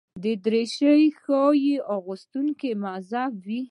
دریشي ښيي چې اغوستونکی مهذب دی.